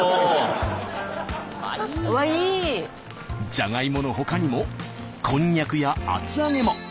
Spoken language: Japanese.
じゃがいものほかにもこんにゃくや厚揚げも。